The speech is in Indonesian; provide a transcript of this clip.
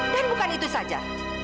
dan bukan itu saja